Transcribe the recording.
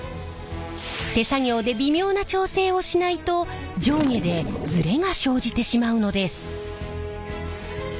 手作業で微妙な調整をしないと上下でズレが生じてしまうのです。